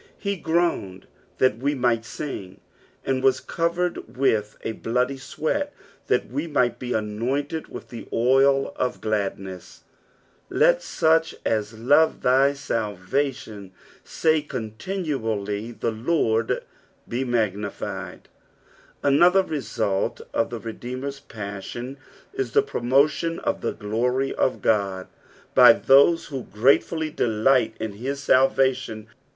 He groaned that we might sing, and was covered with Jl bloody sweat that we might ho anointed with the oil of gladness. " Let mdt at lute tk;/ labiatum tay oontinvnUj/, Tlie Ijrrd he mngnified." Another result of the Redeemer's passion is the promotion of the giory of God by those who grate fully delight in bis salvation.